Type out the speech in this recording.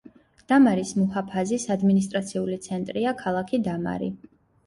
დამარის მუჰაფაზის ადმინისტრაციული ცენტრია ქალაქი დამარი.